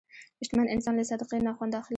شتمن انسان له صدقې نه خوند اخلي.